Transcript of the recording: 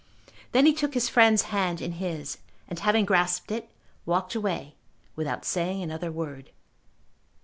Then he took his friend's hand in his, and, having grasped it, walked away without saying another word.